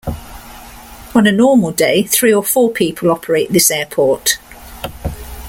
On a normal day, three or four people operate this airport.